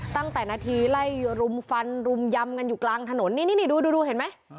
ตั้งแต่นาทีไล่รุมฟันรุมยำกันอยู่กลางถนนนี่นี่ดูเห็นไหม